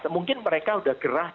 mungkin mereka sudah gerah